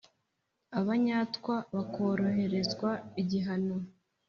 abanyátwá bakohererezwa igihángo